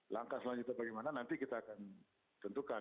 langkah selanjutnya bagaimana nanti kita akan tentukan